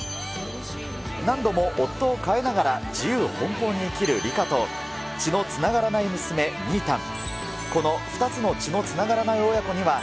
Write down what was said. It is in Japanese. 何度も夫を代えながら自由奔放に生きる梨花と、血のつながらない娘、みぃたん。